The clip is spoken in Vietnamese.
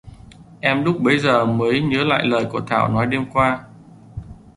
Em lúc bấy giờ mới nhớ lại lời của Thảo nói đêm qua